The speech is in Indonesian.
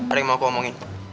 ada yang mau aku omongin